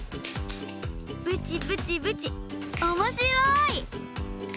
ブチブチブチおもしろい！